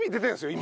今。